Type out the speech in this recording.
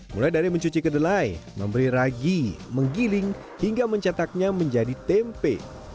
mulai dari mencuci kedelai memberi ragi menggiling hingga mencetaknya menjadi tempe